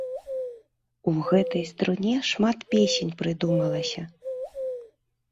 У гэтай струне шмат песень прыдумалася.